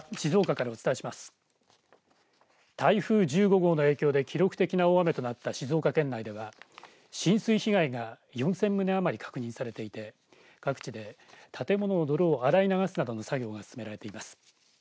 台風１５号の影響で記録的な大雨となった静岡県内では浸水被害が４０００棟余り確認されていて各地で建物の泥を洗い流すなどの作業が進められています。